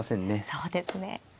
そうですね。